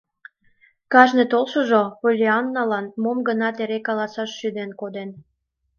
Кажне толшыжо Поллианналан мом-гынат эре каласаш шӱден коден.